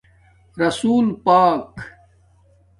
رسول پاک